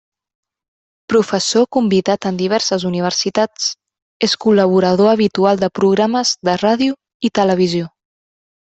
Professor convidat en diverses universitats, és col·laborador habitual de programes de ràdio i televisió.